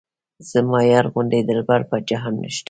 زما یار غوندې دلبر په جهان نشته.